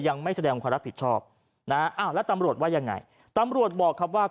ยังไม่แสดงความรับผิดชอบนะอ้าวแล้วตำรวจว่ายังไงตำรวจบอกครับว่า